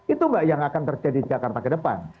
itu yang akan terjadi di jakarta kedepan